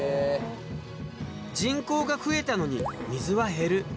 人口が増えたのに水は減る。